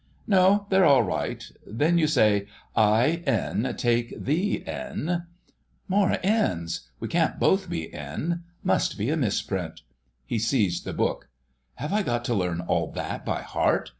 "No, they're all right. Then you say: 'I, N, take thee, N——'" "More N's. We can't both be N—must be a misprint...." He seized the book. "Have I got to learn all that by heart?